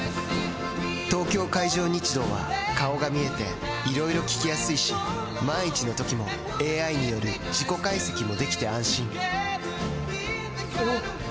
東京海上日動は顔が見えていろいろ聞きやすいし万一のときもＡＩによる事故解析もできて安心おぉ！